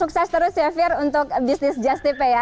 sukses terus ya fir untuk bisnis justipe ya